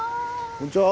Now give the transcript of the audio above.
こんにちは！